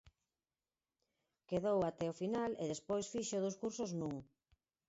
Quedou até o final e despois fixo dous cursos nun.